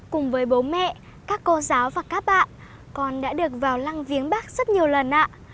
cùng với bố mẹ các cô giáo và các bạn con đã được vào lăng viếng bác rất nhiều lần ạ